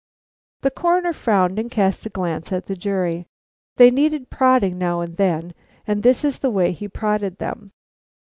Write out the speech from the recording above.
The Coroner frowned and cast a glance at the jury. They needed prodding now and then, and this is the way he prodded them.